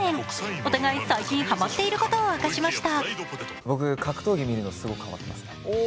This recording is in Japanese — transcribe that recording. お互い最近はまっていることを明かしました。